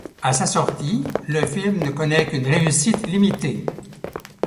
À sa sortie, le film ne connait qu'une réussite limitée.